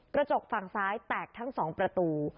กระจกฝั่งซ้ายแตกทั้ง๒ประตู